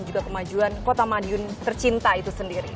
dan juga kemajuan kota madiun tercinta itu sendiri